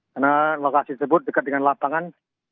karena lokasi tersebut dekat dengan lapangan